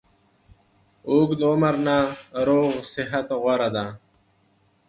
اوږد عمر نه روغ صحت غوره ده